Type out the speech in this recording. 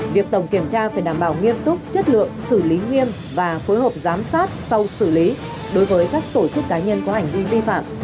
việc tổng kiểm tra phải đảm bảo nghiêm túc chất lượng xử lý nghiêm và phối hợp giám sát sau xử lý đối với các tổ chức cá nhân có hành vi vi phạm